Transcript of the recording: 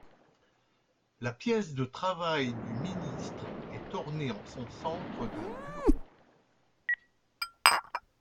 La pièce de travail du ministre est ornée en son centre d'un bureau.